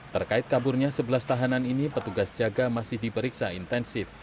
terkait kaburnya sebelas tahanan ini petugas jaga masih diperiksa intensif